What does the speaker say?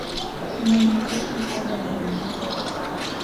Nuqa chakraćhawmi aruu.